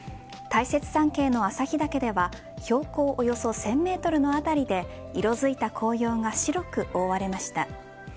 大雪山系の旭岳では標高をおよそ１０００メートルの辺りで色づいた紅葉が白く覆われました。